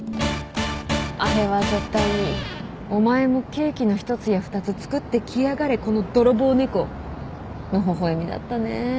あれは絶対に「お前もケーキの１つや２つ作ってきやがれこの泥棒猫」の微笑みだったね。